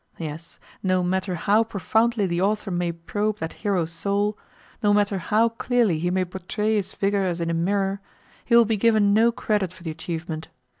Yes, no matter how profoundly the author may probe that hero's soul, no matter how clearly he may portray his figure as in a mirror, he will be given no credit for the achievement.